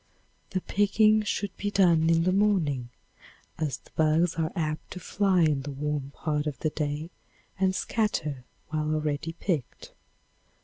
The picking should be done in the morning, as the bugs are apt to fly in the warm part of the day and scatter where already picked.